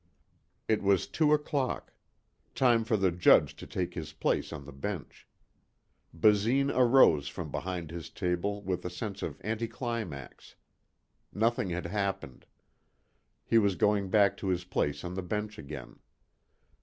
It was two o'clock. Time for the Judge to take his place on the bench. Basine arose from behind his table with a sense of anti climax. Nothing had happened. He was going back to his place on the bench again.